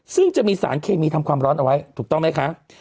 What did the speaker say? ซึ่งจะมีสารเคมีทำความร้อนเอาไว้ถูกต้องไหมคะ